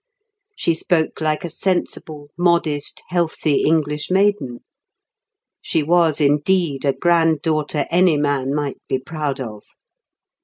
She spoke like a sensible, modest, healthy English maiden. She was indeed a granddaughter any man might be proud of.